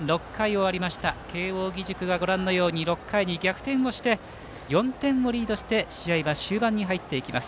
６回が終わって慶応義塾が６回に逆転して４点をリードして試合は終盤に入っていきます。